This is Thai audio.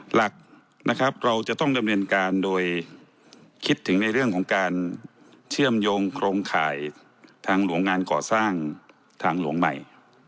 หลักนะครับเราจะต้องดำเนินการโดยคิดถึงในเรื่องของการเชื่อมโยงโครงข่ายทางหลวงงานก่อสร้างทางหลวงใหม่